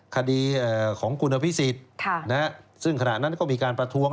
คดีของคุณอภิษฎซึ่งขณะนั้นก็มีการประท้วง